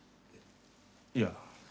いや。